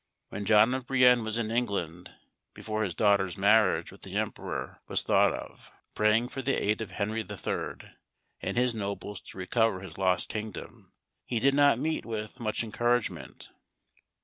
When John of Brienne was in England, before his daughter's marriage with the emperor was thought of, praying for the aid of Henry III. and his nobles to recover his lost kingdom, he did not meet with much encouragement.